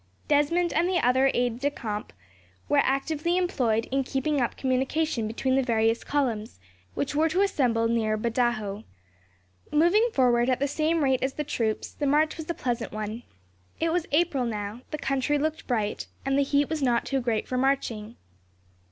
Desmond and the other aides de camp were actively employed in keeping up communication between the various columns, which were to assemble near Badajos. Moving forward at the same rate as the troops, the march was a pleasant one. It was April now, the country looked bright, and the heat was not too great for marching.